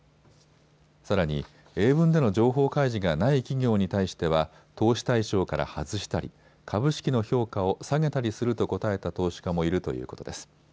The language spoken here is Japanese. さらに英文での情報開示がない企業に対しては投資対象から外したり株式の評価を下げたりすると答えた投資家もいるということです。